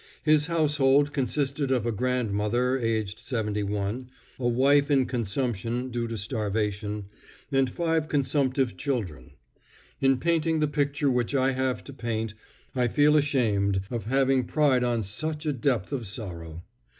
His household consisted of a grandmother, aged 71, a wife in consumption, due to starvation, and five consumptive children. In painting the picture which I have to paint, I feel ashamed at having pried on such a depth of sorrow.